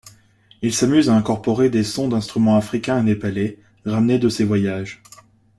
Il s'amuse à incorporer des sons d'instruments africains et népalais, ramenés de ses voyages.